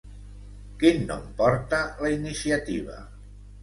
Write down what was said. Quin nom porta la iniciativa?